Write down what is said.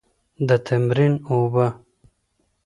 د تمرین اوبه.